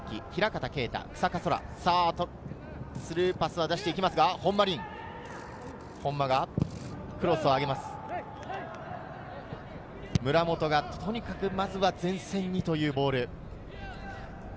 村本がとにかくまずは前線にというボール。